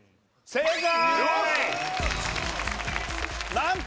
正解！